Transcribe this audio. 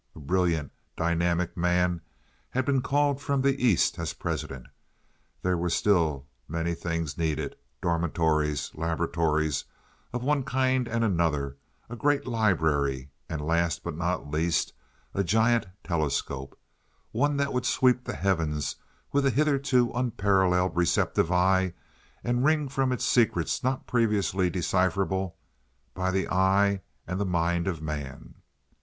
A brilliant, dynamic man had been called from the East as president. There were still many things needed—dormitories, laboratories of one kind and another, a great library; and, last but not least, a giant telescope—one that would sweep the heavens with a hitherto unparalleled receptive eye, and wring from it secrets not previously decipherable by the eye and the mind of man.